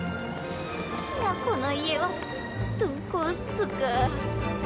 きな子の家はどこっすか。